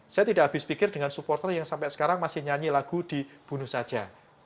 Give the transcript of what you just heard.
saya tidak habis pikir dengan supporter yang sampai sekarang masih nyanyi lagu dibunuh saja